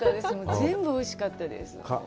全部おいしかったです。